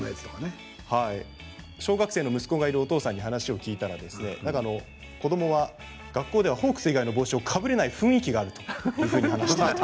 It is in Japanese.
小学生の息子がいるお父さんに話を聞いたら子どもは学校ではホークス以外の帽子をかぶれない雰囲気があると言ってました。